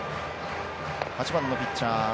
８番のピッチャー